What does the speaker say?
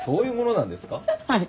はい。